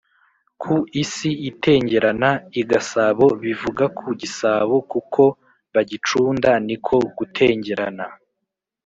ku isi itengerana: i gasabo (bivuga ku gisabo kuko bagicunda, ni ko gutengerana)